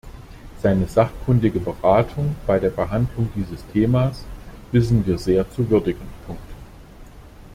Seine sachkundige Beratung bei der Behandlung dieses Themas wissen wir sehr zu würdigen.